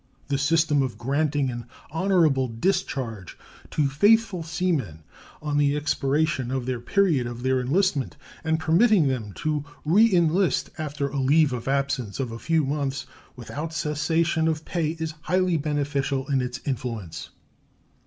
The system of granting an honorable discharge to faithful seamen on the expiration of the period of their enlistment and permitting them to reenlist after a leave of absence of a few months without cessation of pay is highly beneficial in its influence.